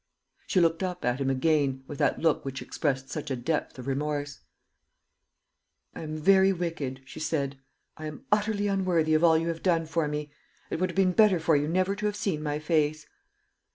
She looked up at him again, with that look which expressed such a depth of remorse. "I am very wicked," she said, "I am utterly unworthy of all you have done for me. It would have been better for you never to have seen my face."